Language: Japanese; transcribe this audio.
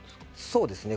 そうですね。